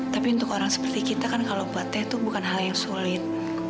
tapi untuk orang seperti kita kan kalau buat teh itu bukan hal yang sulit